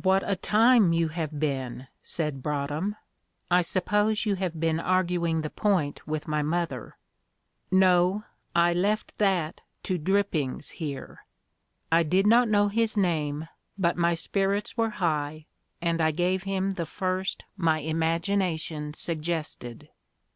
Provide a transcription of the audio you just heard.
"What a time you have been!" said Broadhem. "I suppose you have been arguing the point with my mother?" "No, I left that to Drippings here." I did not know his name, but my spirits were high, and I gave him the first my imagination suggested.